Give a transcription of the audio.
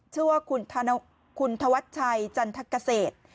ชื่อว่าคุณธวัชชัยจันทกเกษตร